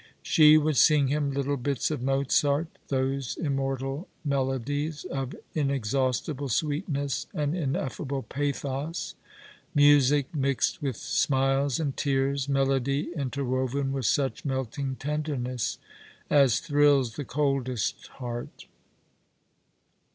She would sing him little bits of Mozart, those immortal melodies, of inexhaustible sweetness and ineffable pathos, music mixed with smiles and tears, melody inter woven with such melting tenderness as thrills the coldest heart.